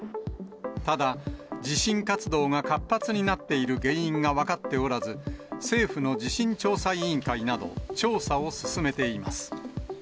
ただ、地震活動が活発になっている原因が分かっておらず、政府の地震調査委員会など調査を進めています。